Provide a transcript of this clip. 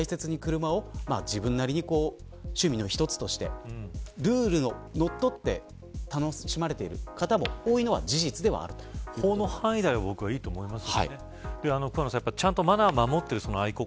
大切に車を自分なりに趣味の一つとしてルールにのっとって楽しまれてる方がいるのも法の範囲内であればいいと思います。